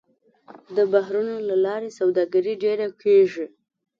د بحرونو له لارې سوداګري ډېره کېږي.